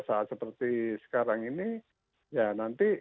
saat seperti sekarang ini ya nanti